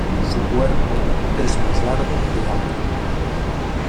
Su cuerpo es más largo que alto.